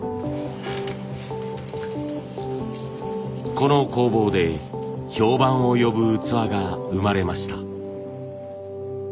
この工房で評判を呼ぶ器が生まれました。